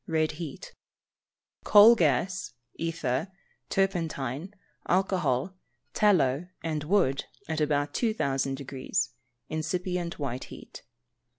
(red heat); coal gas, ether, turpentine, alcohol, tallow, and wood, at about 2,000 deg. (incipient white heat).